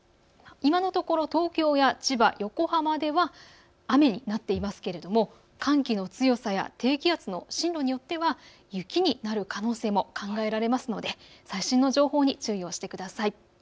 今のところ東京や千葉、横浜では雨になっていますけれども寒気の強さや低気圧の進路によっては雪になる可能性も考えられますので最新の情報に注意をしてください。